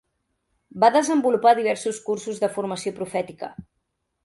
Va desenvolupar diversos cursos de formació profètica.